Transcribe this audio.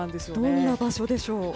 どんな場所でしょう？